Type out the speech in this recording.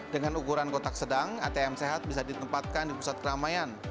dengan ukuran kotak sedang atm sehat bisa ditempatkan di pusat keramaian